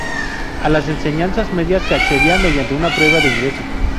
A las enseñanzas medias se accedía mediante una prueba de ingreso.